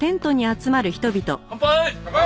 乾杯！